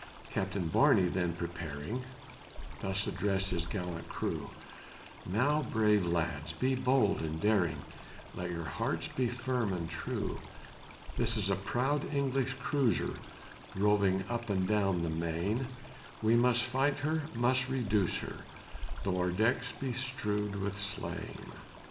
Captain Barney then preparing, Thus addressed his gallant crew "Now, brave lads, be bold and daring, Let your hearts be firm and true; This is a proud English cruiser, Roving up and down the main, We must fight her must reduce her, Though our decks be strewed with slain.